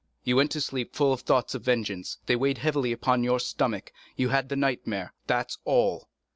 You went to sleep full of thoughts of vengeance; they weighed heavily upon your stomach; you had the nightmare—that's all.